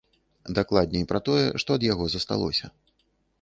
Дакладней пра тое, што ад яго засталося.